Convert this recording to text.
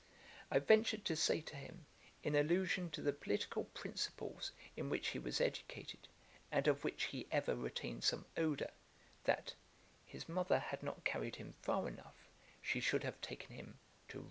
I ventured to say to him, in allusion to the political principles in which he was educated, and of which he ever retained some odour, that 'his mother had not carried him far enough; she should have taken him to ROME.'